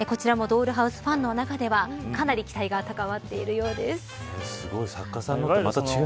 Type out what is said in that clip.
ドールハウスファンの中ではかなり期待が高まっているようです。